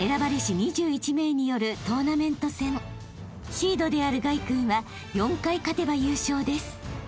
［シードである凱君は４回勝てば優勝です］